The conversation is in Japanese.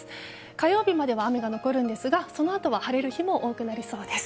火曜日までは雨が残りますがそのあとは晴れる日も多くなりそうです。